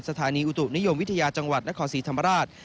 สถานีอุตุนิยมวิทยาจังหวัดนครศรีธรรมราช